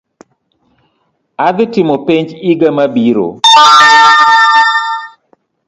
Adii timo penj iga mabiro.